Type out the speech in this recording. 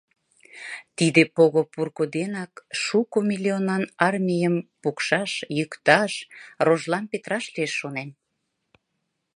Тиде пого-пурко денак шуко миллионан армийым пукшаш-йӱкташ, рожлам петыраш лиеш шонен.